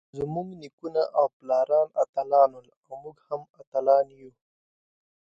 زمونږ نيکونه او پلاران اتلان ول اؤ مونږ هم اتلان يو.